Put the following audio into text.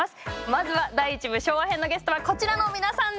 まずは第１部昭和編のゲストはこちらの皆さんです。